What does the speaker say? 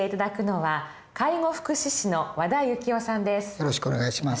よろしくお願いします。